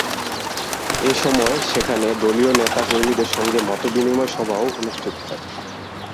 এ সময় সেখানে দলীয় নেতা কর্মীদের সঙ্গে মতবিনিময় সভাও অনুষ্ঠিত হয়।